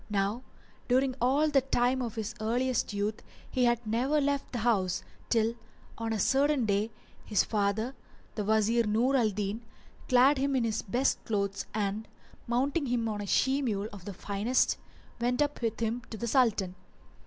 Now during all the time of his earliest youth he had never left the house, till on a certain day his father, the Wazir Nur al Din, clad him in his best clothes and, mounting him on a she mule of the finest, went up with him to the Sultan.